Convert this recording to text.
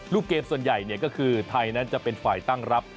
เกมส่วนใหญ่ก็คือไทยนั้นจะเป็นฝ่ายตั้งรับ